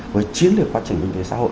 với chiến lược quá trình kinh tế xã hội